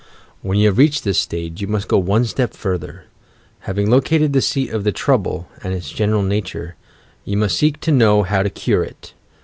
"When you have reached this stage, you must go one step further. Having located the seat of the trouble, and its general nature, you must seek to know how to cure it.